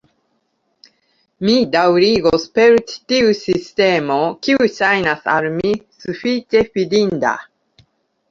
Mi daŭrigos per ĉi tiu sistemo, kiu ŝajnas al mi sufiĉe fidinda.